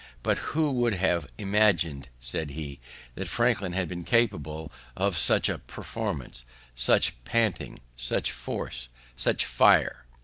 "But who would have imagin'd," said he, "that Franklin had been capable of such a performance; such painting, such force, such fire!